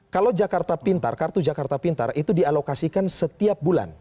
kalau jakarta pintar kartu jakarta pintar itu dialokasikan setiap bulan